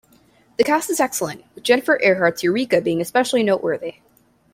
The cast is excellent, with Jennifer Earhart's Yurika being especially noteworthy.